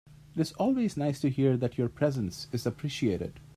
It is always nice to hear that your presence is appreciated.